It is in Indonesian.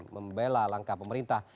membela langkah pemerintah